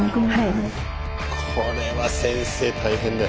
これは先生大変だよ。